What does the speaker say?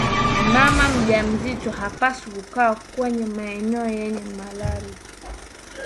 mama mjawazito hapaswi kukaa kwenye maeneo yenye malaria